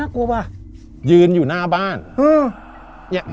อยากโศกไหลห์สายขาด